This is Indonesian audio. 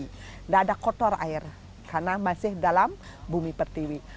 tidak ada kotor air karena masih dalam bumi pertiwi